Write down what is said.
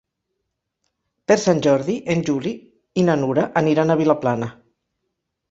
Per Sant Jordi en Juli i na Nura aniran a Vilaplana.